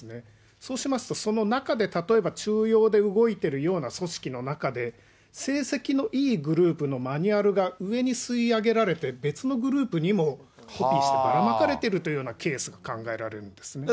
そうしますと、その中で、例えばちゅうようで動いてるような組織の中で、成績のいいグループのマニュアルが上に吸い上げられて、別のグループにもコピーしてばらまかれてるというケース、考えられるんですね。